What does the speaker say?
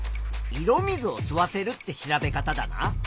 色水を吸わせるって調べ方だな。